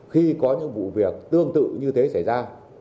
khi có những vụ việc tương tự như thế xảy ra